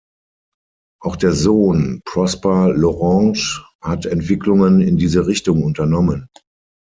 Auch der Sohn Prosper L’Oranges hat Entwicklungen in diese Richtung unternommen.